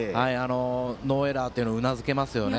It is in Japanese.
ノーエラーというのもうなずけますよね。